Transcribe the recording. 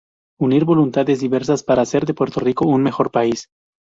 Unir voluntades diversas para hacer de Puerto Rico un mejor país.